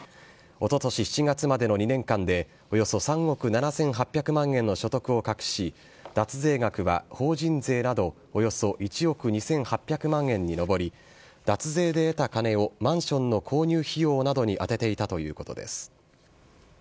おととし７月までの２年間で、およそ３億７８００万円の所得を隠し、脱税額は法人税などおよそ１億２８００万円に上り、脱税で得た金をマンションの購入費用などに充てていたということです。